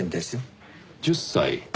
１０歳。